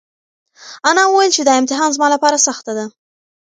انا وویل چې دا امتحان زما لپاره سخته ده.